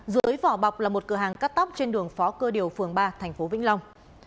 dưới vỏ bọc là một cửa hàng cắt tóc trên đường phó cơ điều phường ba thành phố vĩnh long